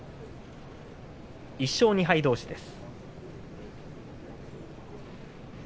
１勝２敗どうしです。